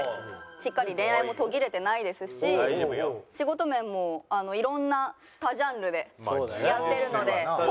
しっかり恋愛も途切れてないですし仕事面もいろんな多ジャンルでやってるので。